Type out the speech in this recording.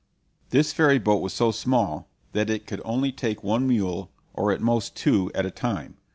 This ferry boat was so small that it could only take one mule, or at most two, at a time.